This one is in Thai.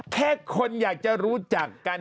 แค่คนอยากจะรู้จักกัน